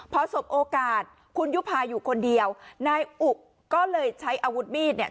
พอสบโอกาสคุณยุภาอยู่คนเดียวนายอุก็เลยใช้อาวุธมีดเนี่ย